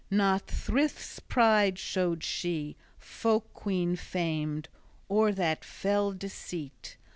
Not Thryth's pride showed she, folk queen famed, or that fell deceit.